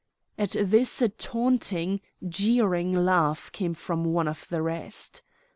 At this a taunting, jeering laugh came from one of the rest.